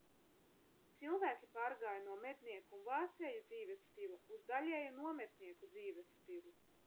Cilvēki pārgāja no mednieku un vācēju dzīvesstila uz daļēju nometnieku dzīvestilu.